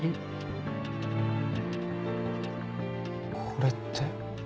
これって。